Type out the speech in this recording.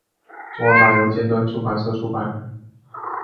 中文版由尖端出版社出版。